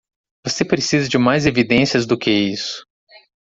Você precisa de mais evidências do que isso.